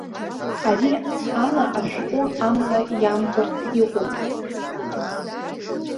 Ари ала ашәҟәы амла иамкыртә иҟоуп.